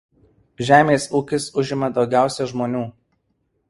Žemės ūkis užima daugiausia žmonių.